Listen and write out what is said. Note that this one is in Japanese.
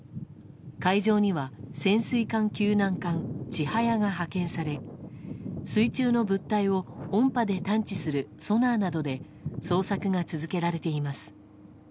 海上には、潜水艦救難艦「ちはや」が派遣され水中の物体を音波で探知するソナーなどで捜索が続けられています。